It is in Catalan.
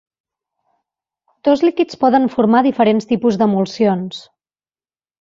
Dos líquids poden formar diferents tipus d'emulsions.